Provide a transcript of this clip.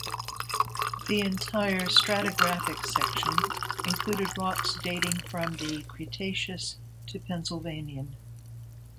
The entire stratigraphic section included rocks dating from the Cretaceous to Pennsylvanian.